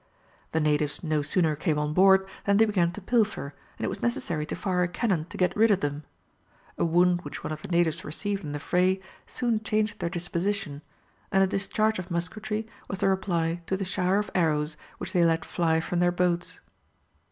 The natives no sooner came on board than they began to pilfer, and it was necessary to fire a cannon to get rid of them; a wound which one of the natives received in the fray soon changed their disposition, and a discharge of musketry was the reply to the shower of arrows which they let fly from their boats.